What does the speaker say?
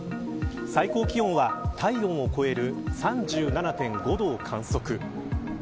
最高気温は体温を超える３７．５度を観測。